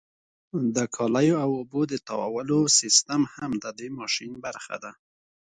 د کالیو او اوبو د تاوولو سیستم هم د دې ماشین برخه ده.